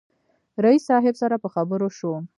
رئیس صاحب سره په خبرو شوم.